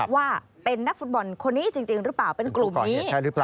ว่าเป็นนักฟุตบอลคนนี้จริงหรือเปล่าเป็นกลุ่มนี้